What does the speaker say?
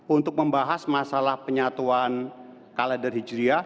untuk membahas masalah penyatuan kalender hijriyah